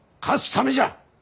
勝つためじゃ！